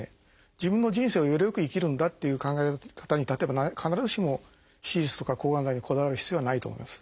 自分の人生をゆるく生きるんだっていう考え方に例えば必ずしも手術とか抗がん剤にこだわる必要はないと思います。